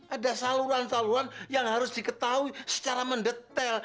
ada saluran saluran yang harus diketahui secara mendetail